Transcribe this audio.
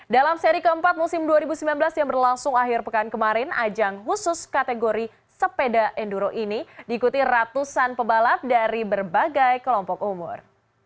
dalam seri keempat musim dua ribu sembilan belas yang berlangsung akhir pekan kemarin ajang khusus kategori sepeda enduro ini diikuti ratusan pebalap dari berbagai kelompok umur